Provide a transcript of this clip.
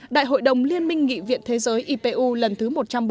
đại hội đồng liên minh nghị viện thế giới ipu lần thứ một trăm bốn mươi